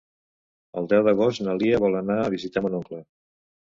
El deu d'agost na Lia vol anar a visitar mon oncle.